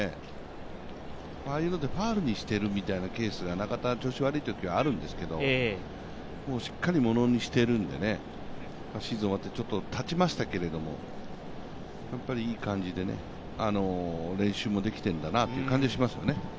ああいうのでファウルにしているケースが中田が調子悪いときにはあるんですけど、しっかりものにしているんで、シーズン終わってちょっとたちましたけども、やっぱりいい感じで、練習もできているんだなという感じがしますよね。